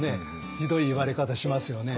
ひどい言われ方しますよね。